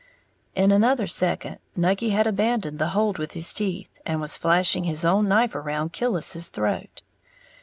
In another second, Nucky had abandoned the hold with his teeth, and was flashing his own knife around Killis's throat.